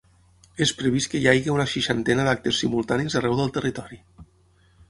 És previst que hi hagi una seixantena d’actes simultanis arreu del territori.